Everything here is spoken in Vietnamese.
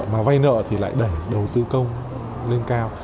mà vay nợ thì lại đẩy đầu tư công lên cao